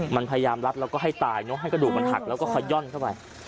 มันพยายามรัดแล้วก็ให้ตายเนอะให้กระดูกมันหักแล้วก็ขย่อนเข้าไป